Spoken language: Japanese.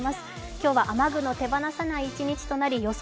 今日は雨具の手放せない一日となり予想